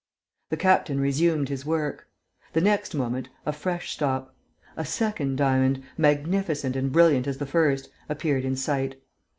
The captain resumed his work. The next moment, a fresh stop. A second diamond, magnificent and brilliant as the first, appeared in sight.